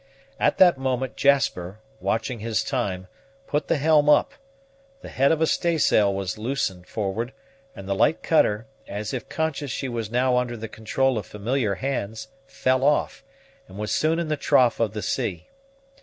At that moment, Jasper, watching his time, put the helm up; the head of a staysail was loosened forward, and the light cutter, as if conscious she was now under the control of familiar hands, fell off, and was soon in the trough of the sea.